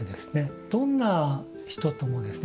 どんな人ともですね